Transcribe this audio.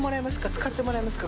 使ってもらえますか？